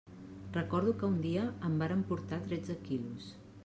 Recordo que un dia en vàrem portar tretze quilos.